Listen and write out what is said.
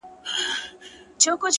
شعار خو نه لرم له باده سره شپې نه كوم،